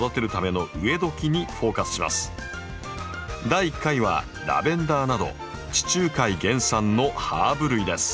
第１回はラベンダーなど地中海原産のハーブ類です。